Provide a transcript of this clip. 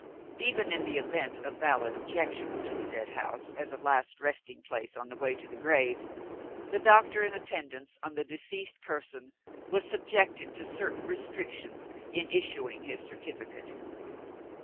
Even in the event of valid objections to the Deadhouse as a last resting place on the way to the grave, the doctor in attendance on the deceased person was subjected to certain restrictions in issuing his certificate.